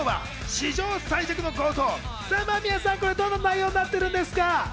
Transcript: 史上最弱の強盗』、間宮さん、どんな内容になってるんですか？